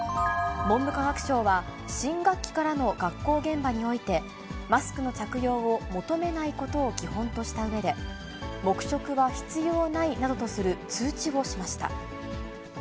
文部科学省は、新学期からの学校現場において、マスクの着用を求めないことを基本としたうえで、黙食は必要ないなどとする通知をしました。